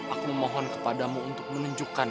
aku memohon kepadamu untuk menunjukkan